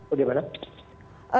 oh di mana